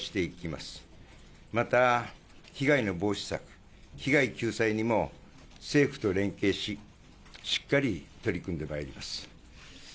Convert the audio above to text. また、被害の防止策、被害救済にも、政府と連携し、しっかり取り組んでまいります。